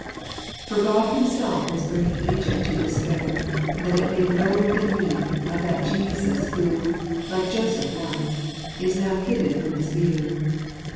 For God Himself is bringing Egypt to despair, that it may learn the need of that Jesus who — like Joseph once — is now hidden from its view.